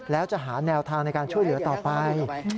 แล้วจะหาแนวทางในการช่วยเหลือต่อไป